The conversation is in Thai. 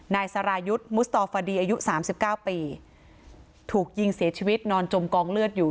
นายสรายุทธ์มุษตรฟดีอายุ๓๙ปีถูกยิงเสียชีวิตนอนจมกองเลือดอยู่